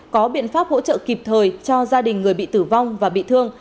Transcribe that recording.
có biện pháp hỗ trợ kịp thời cho gia đình người bị tử vong và bị thương